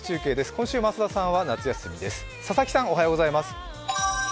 今週、増田さんは夏休みです。